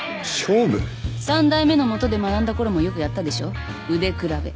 三代目のもとで学んだころもよくやったでしょ腕比べ。